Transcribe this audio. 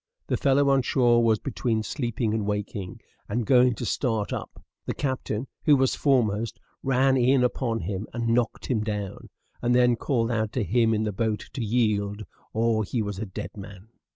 The fellow on shore was between sleeping and waking, and going to start up; the captain, who was foremost, ran in upon him, and knocked him down; and then called out to him in the boat to yield, or he was a dead man.